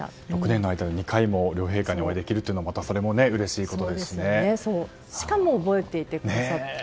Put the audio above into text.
６年の間に２回も両陛下にお会いできるのはしかも覚えていてくださって。